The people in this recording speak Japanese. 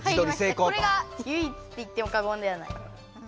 これがゆいいつって言っても過言ではない。